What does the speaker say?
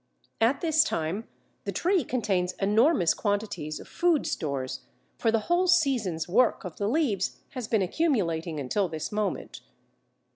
At this time the tree contains enormous quantities of food stores, for the whole season's work of the leaves has been accumulating until this moment.